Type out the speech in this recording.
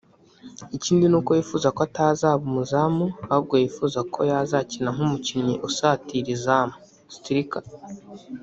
Ikindi ni uko yifuza ko atazaba umuzamu ahubwo yifuza ko yazakina nk'umukinnyi usatira izamu (striker)